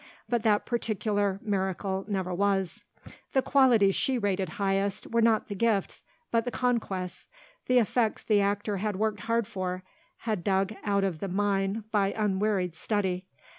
But that particular miracle never was. The qualities she rated highest were not the gifts but the conquests, the effects the actor had worked hard for, had dug out of the mine by unwearied study.